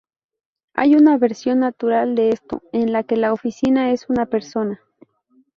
Hay una versión natural de esto, en la que la oficina es una persona.